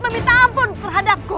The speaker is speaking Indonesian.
meminta ampun terhadapku